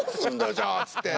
じゃあ」っつって。